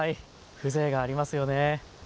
風情がありますよね。